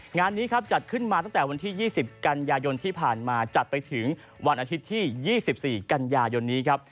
งานนี้ครับจัดขึ้นมาตั้งแต่วันที่๒๐กันยายนที่ผ่านมาจัดไปถึงวันอาทิตย์ที่๒๔กันยายนนี้ครับ